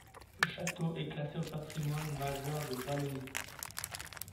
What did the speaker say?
Le château est classé au patrimoine majeur de Wallonie.